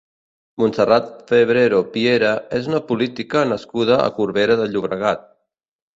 Montserrat Febrero Piera és una política nascuda a Corbera de Llobregat.